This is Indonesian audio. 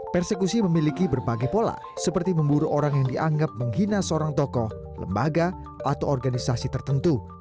persekusi memiliki berbagai pola seperti memburu orang yang dianggap menghina seorang tokoh lembaga atau organisasi tertentu